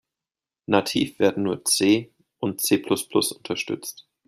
Nativ werden nur C und C-plus-plus unterstützt.